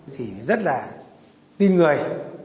thì rất là tin người